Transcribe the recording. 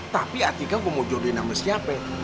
tapi adika gue mau jodohin sama siapa ya